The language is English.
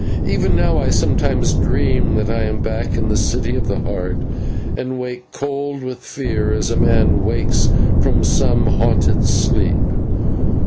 Even now I sometimes dream that I am back in the City of the Heart, and wake cold with fear as a man wakes from some haunted sleep.